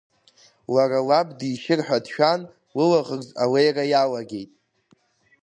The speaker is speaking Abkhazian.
Лара лаб дишьыр ҳәа дшәан, лылаӷырӡ алеира иалагеит.